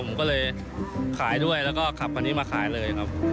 ผมก็เลยขายด้วยแล้วก็ขับคันนี้มาขายเลยครับ